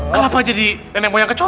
kenapa jadi nenek moyang kecoa